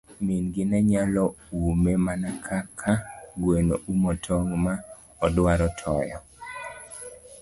Min gi nenyalo ume mana kaka gweno umo tong' ma odwaro toyo.